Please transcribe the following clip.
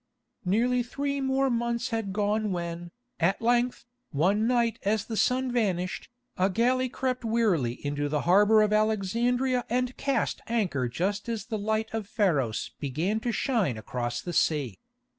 Nearly three more months had gone when, at length, one night as the sun vanished, a galley crept wearily into the harbour of Alexandria and cast anchor just as the light of Pharos began to shine across the sea.